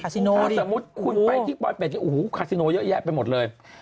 ถ้าสมมุติคุณไปที่ปลอยเป็ดโอ้โหคาซิโนเยอะแยะไปหมดเลย